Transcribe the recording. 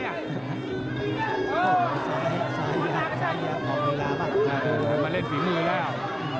โดยมาเล่นฝีมือแล้ว